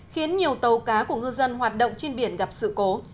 khiến nhiều tàu cá của ngư dân hoạt động trên biển gặp sự cố